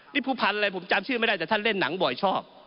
นี่ผู้พันธ์อะไรผมจำชื่อไม่ได้แต่ท่านเล่นหนังบ่อยชอบ